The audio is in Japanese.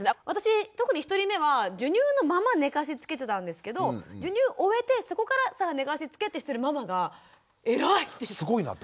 私特に１人目は授乳のまま寝かしつけてたんですけど授乳を終えてそこからさあ寝かしつけってしてるママが偉い。